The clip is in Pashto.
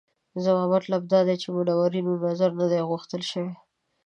زما مطلب دا دی چې منورینو نظر نه دی غوښتل شوی.